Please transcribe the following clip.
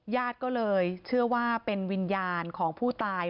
ญาติก็เลยเชื่อว่าเป็นวิญญาณของผู้ตาย